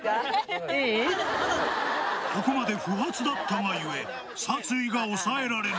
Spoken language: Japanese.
ここまで不発だったが故あれ？